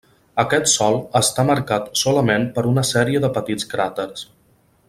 Aquest sòl està marcat solament per una sèrie de petits cràters.